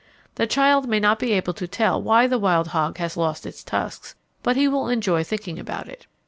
The child may not be able to tell why the wild hog has lost its tusks, but he will enjoy thinking about it.